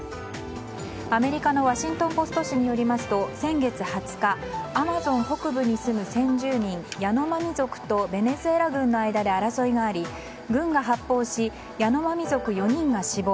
アメリカのワシントン・ポスト紙によりますと先月２０日、アマゾン北部に住む先住民ヤノマミ族とベネズエラ軍の間で争いがあり軍が発砲しヤノマミ族４人が死亡。